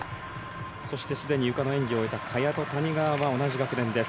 そしてすでにゆかの演技を終えた萱と谷川は同じ学年です。